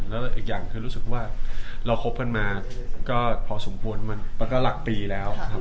แล้วอีกอย่างคือรู้สึกว่าเราคบกันมาก็พอสมควรมันก็หลักปีแล้วครับ